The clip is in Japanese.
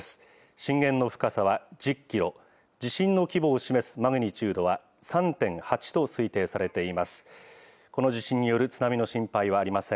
震源の深さは１０キロ、地震の規模を示すマグニチュードは３．８と推定されています。